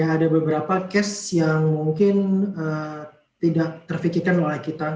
ada beberapa cash yang mungkin tidak terpikirkan oleh kita